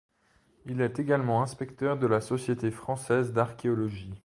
Il est également inspecteur de la Société française d'archéologie.